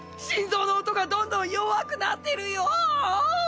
心臓の音がどんどん弱くなってるよぉ！